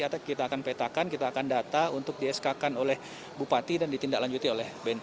nanti kita akan petakan kita akan data untuk di sk kan oleh bupati dan ditindaklanjuti oleh bnp